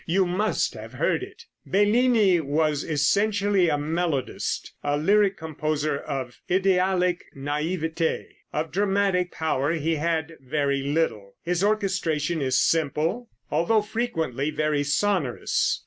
You must have heard it." Bellini was essentially a melodist, a lyric composer of ideallic naiveté. Of dramatic power he had very little. His orchestration is simple, although frequently very sonorous.